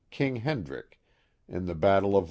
King Hendriek, in the battle of I.